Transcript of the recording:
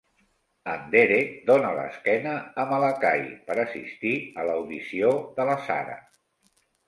En Derek dóna l'esquena a Malakai per assistir a l'audició de la Sara.